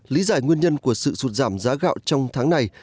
lý giải nguyên nhân của sự sụt giảm giá gạo trong tháng này